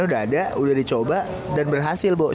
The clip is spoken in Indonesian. udah ada udah dicoba dan berhasil bu